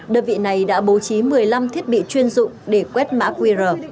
đơn vị này đã bố trí một mươi năm thiết bị chuyên dụng để quét mã qr